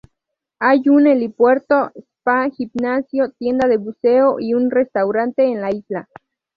Hay un helipuerto, spa, gimnasio, tienda de buceo y un restaurante en la isla.